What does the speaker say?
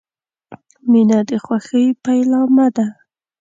• مینه د خوښۍ پیلامه ده.